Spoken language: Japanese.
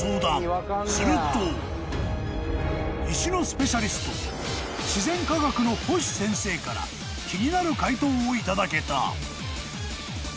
［石のスペシャリスト自然科学の星先生から気になる回答を頂けた］